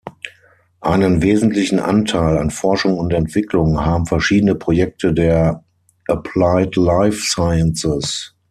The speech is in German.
Einen wesentlichen Anteil an Forschung- und Entwicklung haben verschiedene Projekte der Applied Life Sciences.